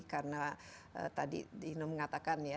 karena tadi dino mengatakan